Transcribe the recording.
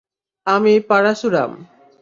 আমি, পারাসুরাম।